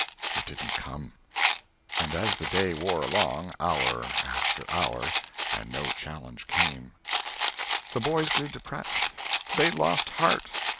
It didn't come. And as the day wore along, hour after hour, and no challenge came, the boys grew depressed. They lost heart.